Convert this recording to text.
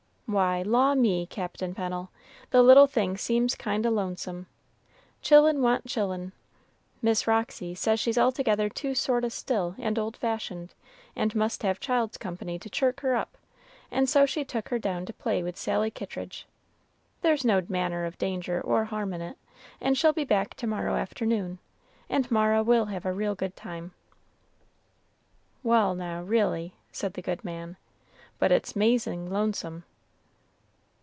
"Why, law me, Captain Pennel! the little thing seems kind o' lonesome. Chil'en want chil'en; Miss Roxy says she's altogether too sort o' still and old fashioned, and must have child's company to chirk her up, and so she took her down to play with Sally Kittridge; there's no manner of danger or harm in it, and she'll be back to morrow afternoon, and Mara will have a real good time." "Wal', now, really," said the good man, "but it's 'mazin' lonesome."